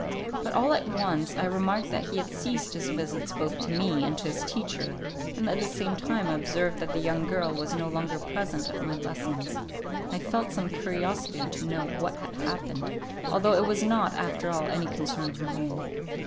But all at once I remarked that he had ceased his visits both to me and to his teacher, and at the same time I observed that the young girl was no longer present at my lessons; I felt some curiosity to know what had happened, although it was not, after all, any concern of mine.